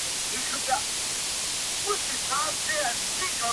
څنگه ساز دی څه مستې ده; څه شراب دي;